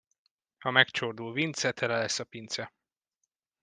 Ha megcsordul Vince, tele lesz a pince.